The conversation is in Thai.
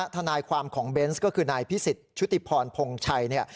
ทนายความของเบนส์ก็คือนายพิสิทธิชุติพรพงชัยเนี่ย